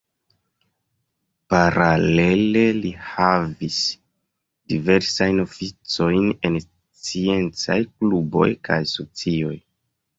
Paralele li havis diversajn oficojn en sciencaj kluboj kaj socioj.